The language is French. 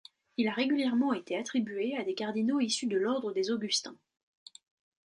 Il a régulièrement été attribué à des cardinaux issus de l'ordre des Augustins.